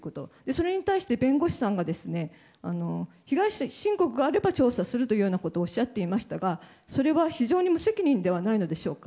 それに対して、弁護士さんが被害申告があれば調査するというようなことをおっしゃっていましたがそれは非常に無責任ではないのでしょうか。